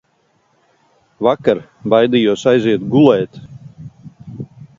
Vakar baidījos aiziet gulēt.